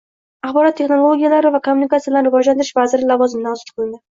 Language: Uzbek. Axborot texnologiyalari va kommunikatsiyalarini rivojlantirish vaziri lavozimidan ozod qilindi